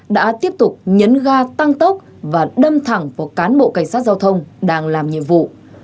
đã tiếp tục nhấn ga tăng tốc và đâm thẳng vào cán bộ cảnh sát giao thông đang làm nhiệm vụ